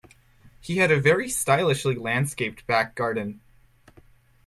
He had a very stylishly landscaped back garden